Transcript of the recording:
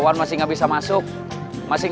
ladang ladang ladang